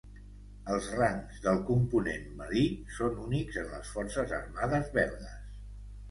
Els rangs del Component Marí són únics en les forces armades belgues.